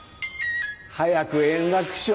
早く円楽師匠